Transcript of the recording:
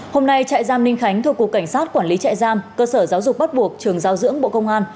hôm nay trại giam ninh khánh thuộc cục cảnh sát quản lý trại giam cơ sở giáo dục bắt buộc trường giao dưỡng bộ công an